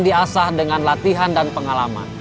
diasah dengan latihan dan pengalaman